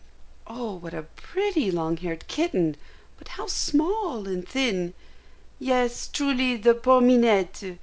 "Oh! what a pretty long haired kitten! but how small and thin!" "Yes, truly, the poor Minette!